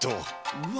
うわ。